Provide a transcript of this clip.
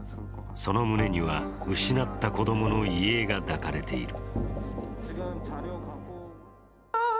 その胸には、失った子供の遺影が抱かれている。